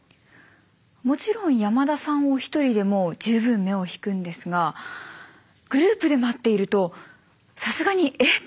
もちろん山田さんお一人でも十分目を引くんですがグループで待っているとさすがに「えっ！？」となりますね。